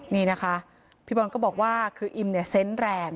นี่นะคะพี่บอลก็บอกว่าคืออิมเนี่ยเซนต์แรง